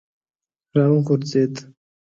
را وغورځېد.